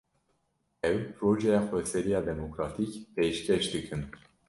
Ew, projeya xweseriya demokratîk pêşkêş dikin